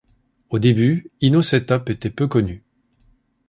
Au début Inno Setup était peu connu.